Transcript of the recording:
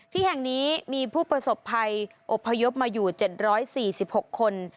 ที่แห่งนี้มีผู้ประสบภัยอบพยพมาอยู่๗๔๖คน